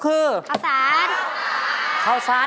หนึ่งหมาย